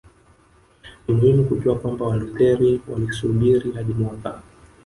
Ni muhimu kujua kwamba Walutheri walisubiri hadi mwaka